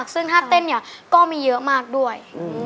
ซึ่งถ้าเต้นเนี่ยก็มีเยอะมากด้วย